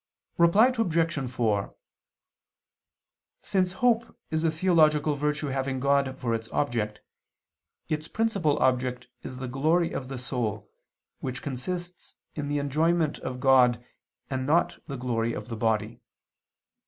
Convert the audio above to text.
Reply Obj. 4: Since hope is a theological virtue having God for its object, its principal object is the glory of the soul, which consists in the enjoyment of God, and not the glory of the body.